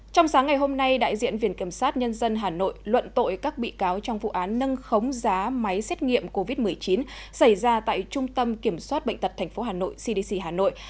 trong sáng ngày hôm nay đại diện viện kiểm sát nhân dân hà nội luận tội các bị cáo trong vụ án nâng khống giá máy xét nghiệm covid một mươi chín xảy ra tại trung tâm kiểm soát bệnh tật tp hà nội cdc hà nội